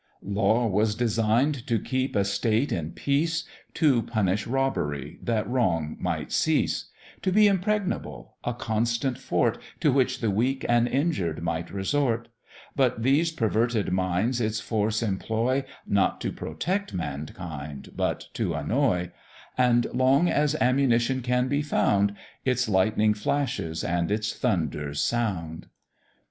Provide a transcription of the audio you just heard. Law was design'd to keep a state in peace; To punish robbery, that wrong might cease; To be impregnable: a constant fort, To which the weak and injured might resort: But these perverted minds its force employ, Not to protect mankind, but to annoy; And long as ammunition can be found, Its lightning flashes and its thunders sound.